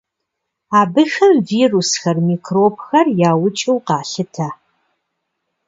Абыхэм вирусхэр, микробхэр яукӏыу къалъытэ.